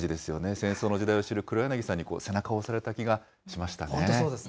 戦争の時代を知る黒柳さんに背中を押された気がしましたね。